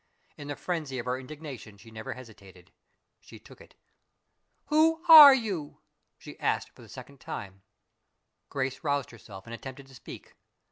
In the frenzy of her indignation she never hesitated she took it. "Who are you?" she asked for the second time. Grace roused herself and attempted to speak.